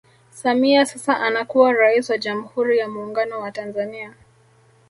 Samia sasa anakuwa Rais wa jamhuri ya Muungano wa Tanzania